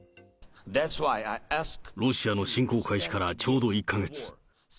ロシアの侵攻開始からちょうど１か月。